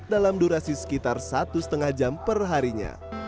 dalam durasi sekitar satu lima jam perharinya